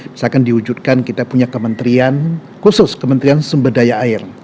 misalkan diwujudkan kita punya kementerian khusus kementerian sumber daya air